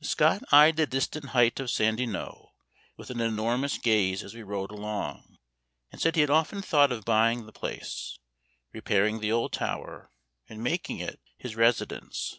Scott eyed the distant height of Sandy Knowe with an earnest gaze as we rode along, and said he had often thought of buying the place, repairing the old tower, and making it his residence.